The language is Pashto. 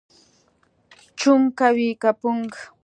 چونګ کوې که پونګ؟